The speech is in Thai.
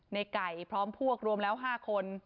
ในไก่พร้อมพวกรวมแล้ว๕คน